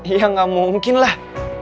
ya gak mungkin lah